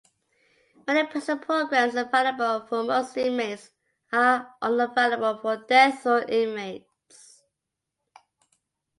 Many prison programs available for most inmates are unavailable for death row inmates.